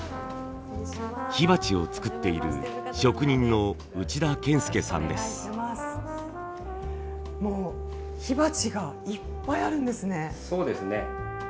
火鉢を作っているもう火鉢がいっぱいあるんですね。